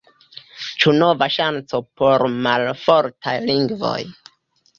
Ĉu nova ŝanco por malfortaj lingvoj?